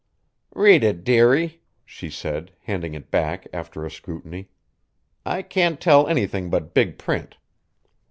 "Read it, dearie," she said, handing it back after a scrutiny. "I can't tell anything but big print."